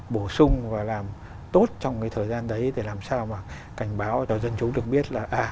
bổ sung và làm tốt trong cái thời gian đấy để làm sao mà cảnh báo cho dân chúng được biết là